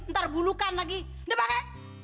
ntar bunuhkan lagi udah pake